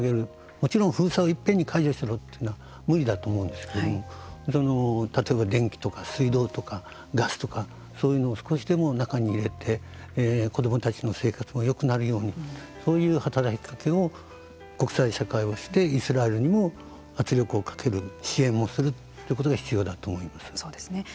もちろん封鎖を一遍に解除するというのは無理だと思うんですけども例えば電気とか水道とかガスとかそういうのを少しでも中に入れて子どもたちの生活をよくなるようにそういう働きかけを国際社会はしてイスラエルにも圧力をかける行楽の秋。